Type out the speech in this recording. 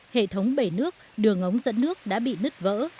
hệ thống bể nước đường ống dẫn nước đã bị nứt vỡ